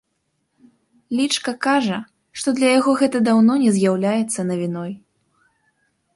Лічка кажа, што для яго гэта даўно не з'яўляецца навіной.